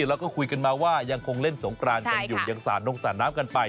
แล้วก็คุยกันมาว่ายังคงเล่นสงกรานกันอยู่ยังสาดนงสาดน้ำกันไป